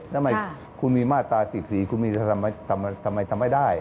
ทำไมคุณมีมาตราศีรษีคุณมีทำไมทำไมทำไมได้